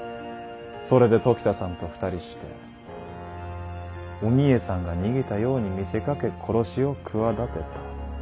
それで時田さんと２人してお三枝さんが逃げたように見せかけ殺しを企てた。